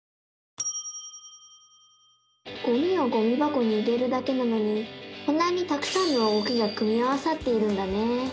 ゴミをゴミばこに入れるだけなのにこんなにたくさんの動きが組み合わさっているんだね！